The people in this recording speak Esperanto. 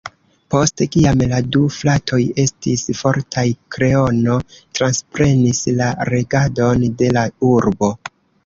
Post kiam la du fratoj estis mortaj, "Kreono" transprenis la regadon de la urbo.